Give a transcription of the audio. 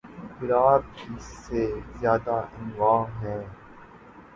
گلاب کی سے زیادہ انواع ہیں